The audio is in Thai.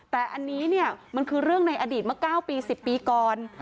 แต่อันนี้เนี่ยมันคือเรื่องในอดีตเมื่อ๙ปี๑๐ปีก่อน